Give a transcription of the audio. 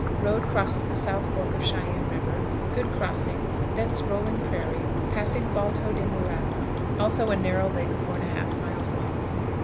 Road crosses the South Fork of Sheyene River; good crossing; thence rolling prairie, passing "Balto de Morale," also a narrow lake 4 1/2 miles long.